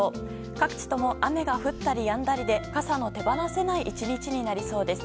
各地とも雨が降ったりやんだりで傘の手放せない１日になりそうです。